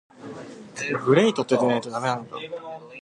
She is also able to play the piano and guitar.